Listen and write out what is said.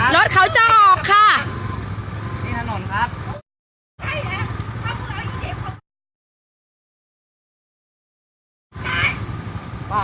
รถเขาจะออกค่ะ